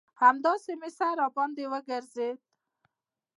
همداسې مې سر راباندې وگرځېد.